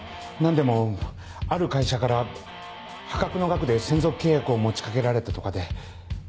何でもある会社から破格の額で専属契約を持ち掛けられたとかで。